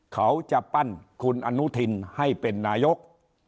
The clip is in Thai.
เขาจะปั้นคุณอนุทินให้เป็นนายก